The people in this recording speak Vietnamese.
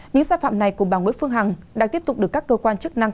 những xác phạm này cùng bà nguyễn phương hằng đang tiếp tục được các cơ quan chức năng